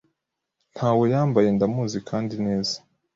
ntawo yambaye ndamuzi kandi neza